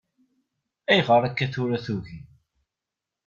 Ayɣeṛ akka tura tugi.